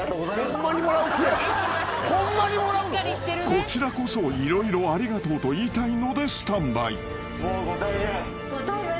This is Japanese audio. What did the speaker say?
［こちらこそ色々ありがとうと言いたいのでスタンバイ］ご対面です。